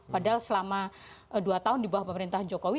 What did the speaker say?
padahal selama dua tahun di bawah pemerintahan jokowi